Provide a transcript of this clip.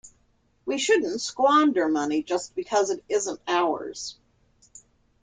We shouldn't squander money just because it isn't ours.